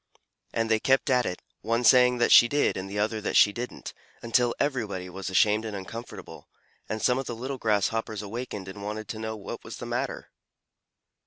and they kept at it, one saying that she did and the other that she didn't, until everybody was ashamed and uncomfortable, and some of the little Grasshoppers awakened and wanted to know what was the matter.